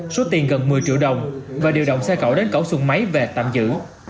số tiền gần một mươi triệu đồng và điều động xe cậu đến cậu sụn máy về tạm giữ